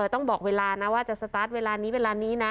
ต้องบอกเวลานะว่าจะสตาร์ทเวลานี้เวลานี้นะ